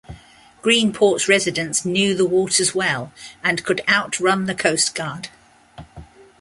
Greenport's residents knew the waters well and could outrun the coastguard.